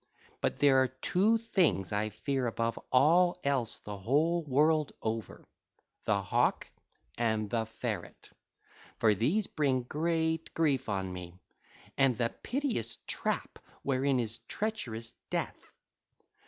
But there are two things I fear above all else the whole world over, the hawk and the ferret—for these bring great grief on me—and the piteous trap wherein is treacherous death.